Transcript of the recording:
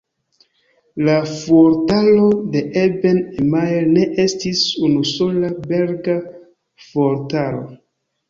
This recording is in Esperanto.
La fuortaro de Eben-Emael ne estis unusola belga fuortaro.